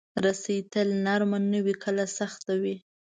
رسۍ تل نرم نه وي، کله سخت وي.